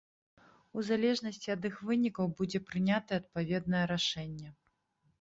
У залежнасці ад іх вынікаў будзе прынятае адпаведнае рашэнне.